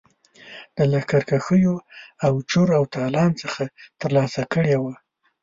د لښکرکښیو او چور او تالان څخه ترلاسه کړي وه.